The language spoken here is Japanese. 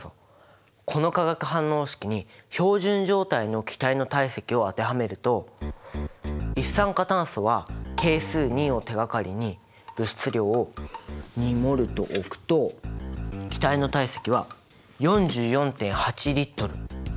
この化学反応式に標準状態の気体の体積を当てはめると一酸化炭素は係数２を手がかりに物質量を２ｍｏｌと置くと気体の体積は４４．８Ｌ。